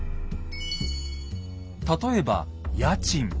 例えば家賃。